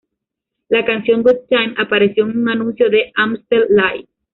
La canción "Good Time" apareció en un anuncio de Amstel Light.